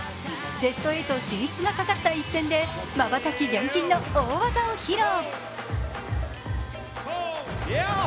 ベスト８進出がかかった一戦でまばたき厳禁の大技を披露。